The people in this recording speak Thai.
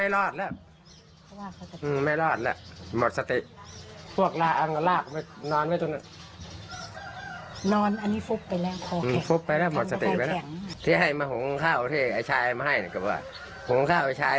เลยเกาเขาก็ห่วงเลย